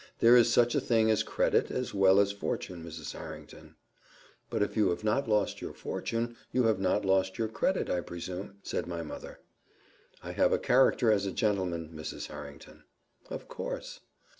There is such a thing as credit as well as fortune, Mrs. Harrington." "But if you have not lost your fortune, you have not lost your credit, I presume," said my mother. "I have a character as a gentleman, Mrs. Harrington." "Of course."